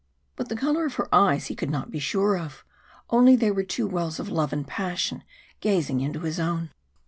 But the colour of her eyes he could not be sure of only they were two wells of love and passion gazing into his own.